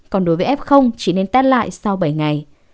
còn đối với f chỉ nên test lại sau bảy ngày